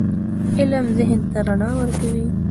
علم ذهن ته رڼا ورکوي.